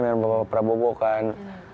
dan bapak prabowo kan